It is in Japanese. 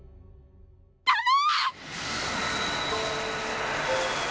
ダメ！